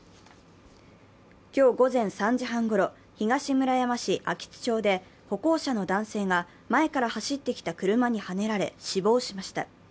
今日午前３時半ごろ、東村山市秋津町で歩行者の男性が、前から走ってきた車にはねられ死亡しました。